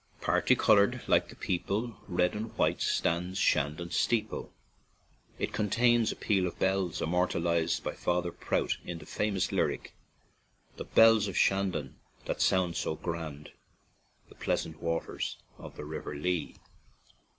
" Party colored, like the people, Red and white stands Shandon steeple." It contains a peal of bells, immortalized by " Father Prout" in the famous lyric: "... The Bells of Shandon That sound so grand on The pleasant waters Of the River Lee."